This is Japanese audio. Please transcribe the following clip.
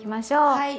はい。